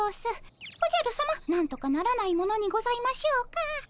おじゃるさまなんとかならないものにございましょうか。